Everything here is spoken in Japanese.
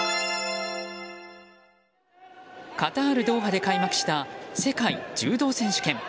カタール・ドーハで開幕した世界柔道選手権。